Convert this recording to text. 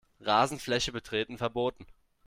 Rasenfläche betreten verboten.